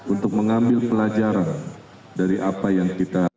untuk mengambil pelajaran dari apa yang kita lakukan